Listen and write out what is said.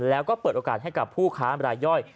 แล้วก็เปิดโอกาสให้กับผู้ค้ารายย่อย